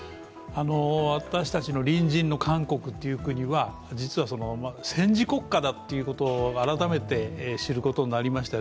私たちの隣人の韓国という国は、実は戦時国家だということを改めて知ることになりました。